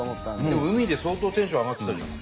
でも海で相当テンション上がってたじゃん。